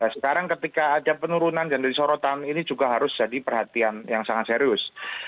sekarang ketika ada penurunan dan jadi sorotan ini juga harus jadi perhatian yang sangat serius